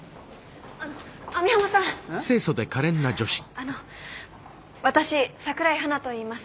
あの私桜井華といいます。